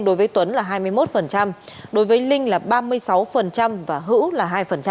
đối với tuấn là hai mươi một đối với linh là ba mươi sáu và hữu là hai